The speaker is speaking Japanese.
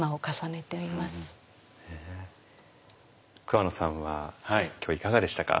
桑野さんは今日いかがでしたか？